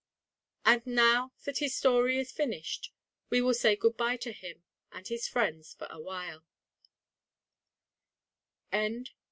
And, now that his story is finished, we will say good bye to him and his friends for a while. THE END.